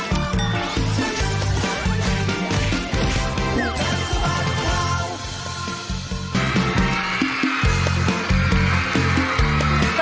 สวัสดีค่ะสวัสดีครับ